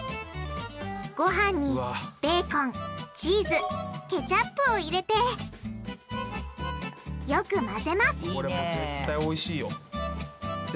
ごはんにベーコンチーズケチャップを入れてよく混ぜますいいね。